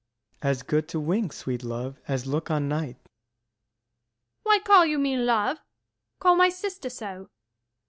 S._ As good to wink, sweet love, as look on night. Luc. Why call you me love? call my sister so.